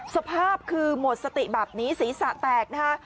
สภาพคือหมดสติแบบนี้ศีรษะแตกนะคะ